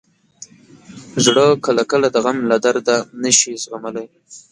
زړه کله کله د غم له درده نه شي زغملی.